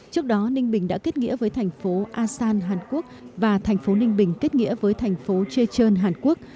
trước đó ninh bình đã kết nghĩa với thành phố asan hàn quốc và thành phố ninh bình kết nghĩa với thành phố chechon hàn quốc